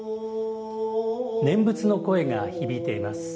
念仏の声が響いています。